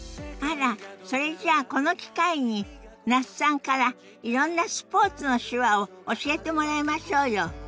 あらそれじゃあこの機会に那須さんからいろんなスポーツの手話を教えてもらいましょうよ。